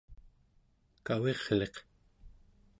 kavirliq